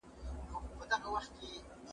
کتابتون ته راشه!.